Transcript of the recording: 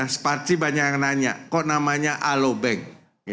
sparty banyak yang nanya kok namanya alo bank